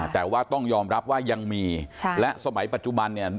แต่ว่าต้องยอมรับว่ายังมีและสมัยปัจจุบันเนี่ย